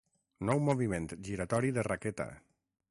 Nou moviment giratori de raqueta!